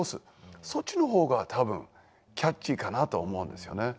そっちの方が多分キャッチーかなと思うんですよね。